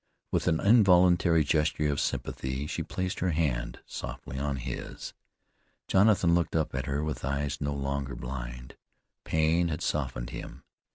With an involuntary gesture of sympathy she placed her hand softly on his. Jonathan looked up at her with eyes no longer blind. Pain had softened him.